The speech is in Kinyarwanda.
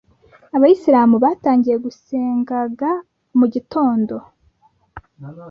abayisilamu batangiye guseganga mu gitonda